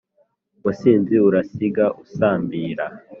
musizi urasiga usambira